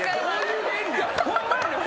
ホンマやねん！